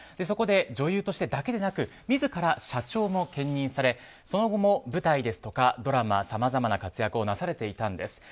そこで女優としてだけでなく自ら社長も兼任されその後も舞台ですとかドラマさまざまな活躍をなされていたんです。